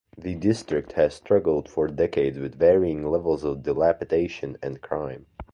The District has struggled for decades with varying levels of dilapidation and crime.